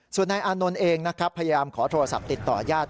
ส่วนนายอานนท์เองนะครับพยายามขอโทรศัพท์ติดต่อญาติ